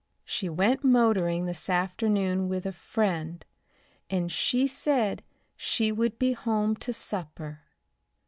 "She went motoring this afternoon with a friend, and she said she would be home to supper."